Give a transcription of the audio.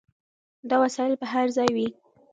دا وسایل به هر ځای وي.